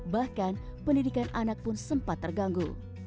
bahkan pendidikan anak pun sempat terganggu